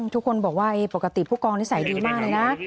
ทุกคนบอกว่าปกติผู้กองนิสัยดีมากเลยนะ